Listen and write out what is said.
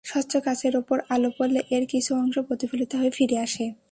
স্বচ্ছ কাচের ওপর আলো পড়লে এর কিছু অংশ প্রতিফলিত হয়ে ফিরে আসে।